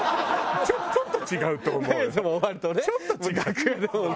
ちょっと違うと思うよ。